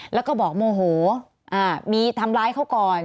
แล้วก็บอกโมโหมีทำร้ายเขาก่อน